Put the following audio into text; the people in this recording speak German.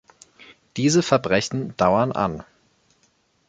Diese Verbrechen dauern an.